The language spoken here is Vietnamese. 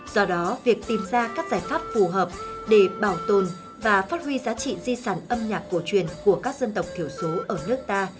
do đó việc tìm ra các giải pháp phù hợp để bảo tồn và phát huy giá trị di sản âm nhạc cổ truyền của các dân tộc thiểu số ở nước ta